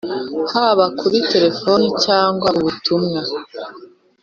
haba kuri telefone cyangwa ubutumwa